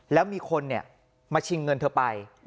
แล้วมีคนมาชิงเงินเธอไป